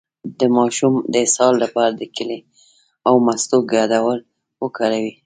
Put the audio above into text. د ماشوم د اسهال لپاره د کیلې او مستو ګډول وکاروئ